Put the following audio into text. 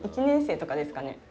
１年生とかですかね。